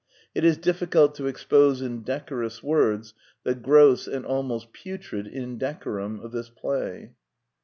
It is difficult to expose in de corous words the gross and almost putrid inde corum of this play."